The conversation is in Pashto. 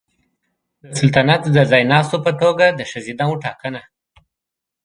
د سلطنت د ځایناستو په توګه د ښځینه وو ټاکنه